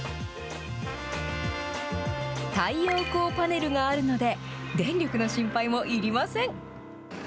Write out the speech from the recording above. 太陽光パネルがあるので、電力の心配もいりません。